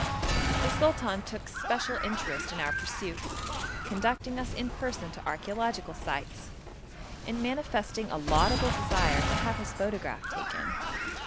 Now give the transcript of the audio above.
The sultan took special interest in our pursuits, conducting us in person to archæological sites, and manifesting a laudable desire to have his photograph taken.